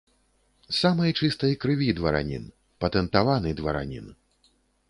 Самай чыстай крыві дваранін, патэнтаваны дваранін.